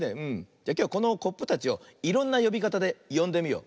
じゃきょうはこのコップたちをいろんなよびかたでよんでみよう。